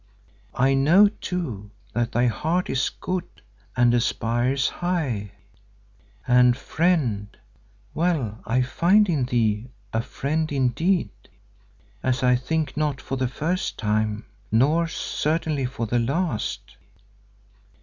I know, too, that thy heart is good and aspires high, and Friend—well, I find in thee a friend indeed, as I think not for the first time, nor certainly for the last.